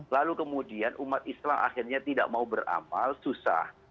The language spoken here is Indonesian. lalu kemudian umat islam akhirnya tidak mau beramal susah